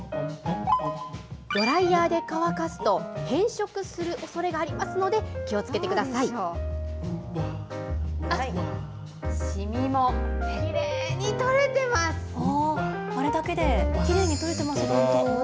ドライヤーで乾かすと、変色するおそれがありますので、気をどうでしょう？